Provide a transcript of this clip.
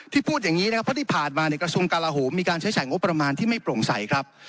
พูดอย่างนี้นะครับเพราะที่ผ่านมาในกระทรวงกลาโหมมีการใช้จ่ายงบประมาณที่ไม่โปร่งใสครับ